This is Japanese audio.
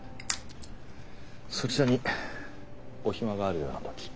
そちらにお暇があるような時。